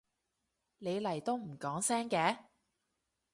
你嚟都唔講聲嘅？